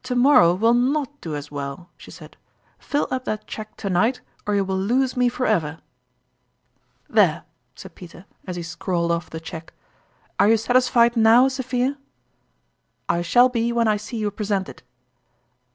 To morrow will not do as well," she said :" fill up that cheque to night or you will lose me forever !"" There !" said Peter, as he scrawled off the cheque. " Are you satisfied now, Sophia ?"" I shall be when I see you present it."